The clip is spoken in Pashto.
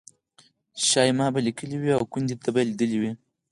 شایي ما به لیکلي وي او ګوندې ده به لیدلي وي.